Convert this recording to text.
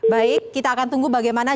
baik kita akan tunggu bagaimana